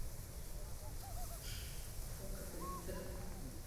Po důkladné zdravotní prohlídce následuje dvou až tříměsíční základní kurz.